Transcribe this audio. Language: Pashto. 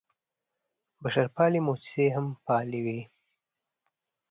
بشرپالې موسسې هم فعالې وې.